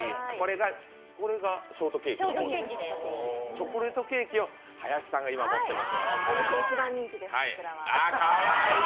チョコレートケーキを今、林さんが持ってます、かわいい。